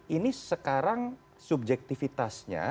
ini sekarang subjektifitasnya